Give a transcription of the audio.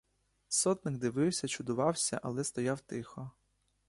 Сотник дивився, чудувався, але стояв тихо.